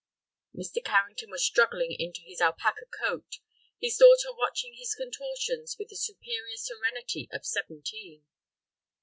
Mr. Carrington was struggling into his alpaca coat, his daughter watching his contortions with the superior serenity of seventeen.